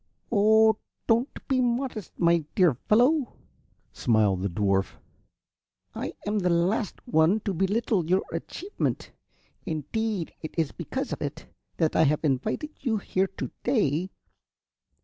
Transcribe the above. "Oh, don't be modest, my dear fellow!" smiled the dwarf. "I am the last one to belittle your achievement. Indeed, it is because of it that I have invited you here to day.